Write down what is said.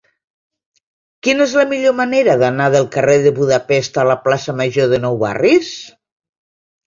Quina és la millor manera d'anar del carrer de Budapest a la plaça Major de Nou Barris?